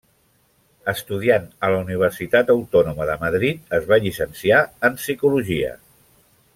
Estudiant a la Universitat Autònoma de Madrid, es va llicenciar en Psicologia.